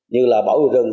như là bảo vệ rừng